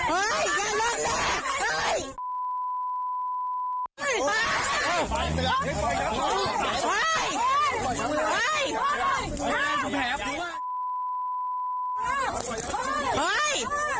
ออกแต่ได้